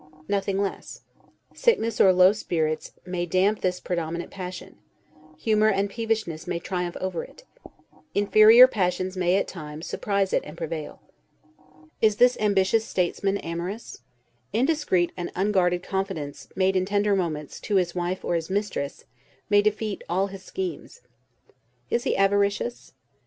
Nothing less. Sickness or low spirits, may damp this predominant passion; humor and peevishness may triumph over it; inferior passions may, at times, surprise it and prevail. Is this ambitious statesman amorous? Indiscreet and unguarded confidences, made in tender moments, to his wife or his mistress, may defeat all his schemes. Is he avaricious?